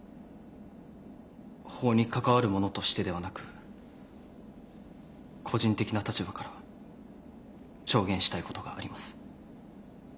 法に関わる者としてではなく個人的な立場から証言したいことがあります。